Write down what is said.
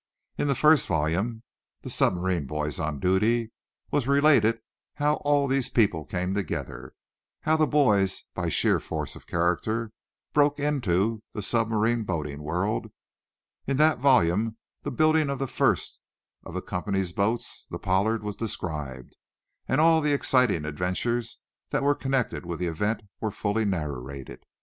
In the first volume, "The Submarine Boys on Duty," was related how all these people came together; how the boys, by sheer force of character "broke into" the submarine boating world. In that volume the building of the first of the company's boats, the "Pollard" was described, and all the exciting adventures that were connected with the event were fully narrated.